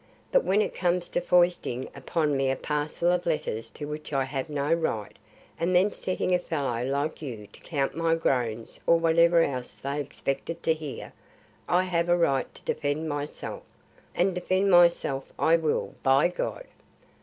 But when it comes to foisting upon me a parcel of letters to which I have no right, and then setting a fellow like you to count my groans or whatever else they expected to hear, I have a right to defend myself, and defend myself I will, by God!